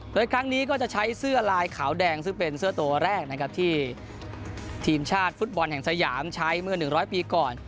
โดยครั้งนี้ก็จะใช้เสื้อลายขาวแดงซึ่งเป็นเสื้อตัวแรกนะครับที่ทีมชาติฟุตบอลแห่งสยามใช้เมื่อ๑๐๐ปีก่อน